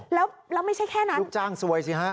แล้วไม่ใช่แค่นั้นลูกจ้างซวยสิฮะ